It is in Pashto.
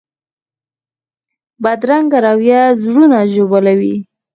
بدرنګه رویه زړونه ژوبلوي